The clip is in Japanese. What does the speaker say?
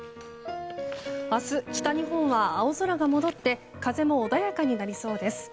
明日、北日本は青空が戻って風も穏やかになりそうです。